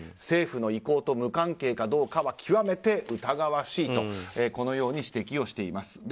政府の意向と無関係かどうかは極めて疑わしいとこのように指摘しています。